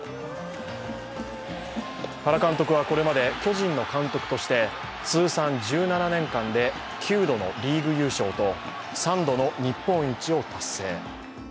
原監督はこれまで巨人の監督として通算１７年間で９度のリーグ優勝と３度の日本一を達成。